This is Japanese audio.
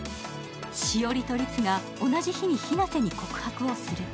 しおりとりつが、同じ日にひなせに告白をする。